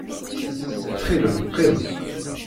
Ttxil-m qqim.